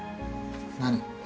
何？